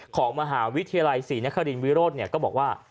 ของมหาวิทยาลัยศรีนครินวิโรธก็บอกว่า